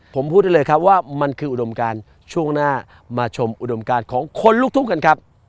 ผมพูดได้เลยครับว่ามันคืออุดมการช่วงหน้ามาชมอุดมการของคนลูกทุ่งกันครับ